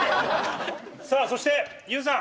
さあそしてＹＯＵさん。